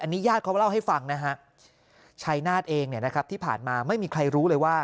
อันนี้ญาติเขาเล่าให้ฟังนะฮะชัยนาธเองที่ผ่านมาไม่มีใครรู้เลยว่า